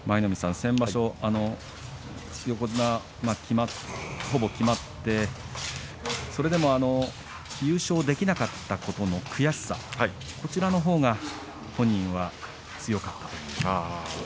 先場所、横綱がほぼ決まってそれでも優勝できなかったことの悔しさこちらのほうが本人は強かったということですね。